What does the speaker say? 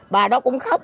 bà đó cũng khóc